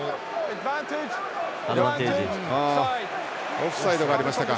オフサイドがありましたか。